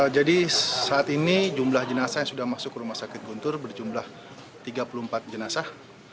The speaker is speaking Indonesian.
jadi saat ini jumlah jenazah yang sudah masuk ke rumah sakit guntur berjumlah tiga puluh empat jenazah